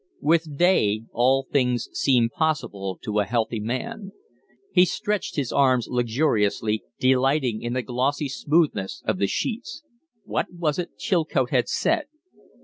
With day, all things seem possible to a healthy man. He stretched his arms luxuriously, delighting in the glossy smoothness of the sheets. What was it Chilcote had said?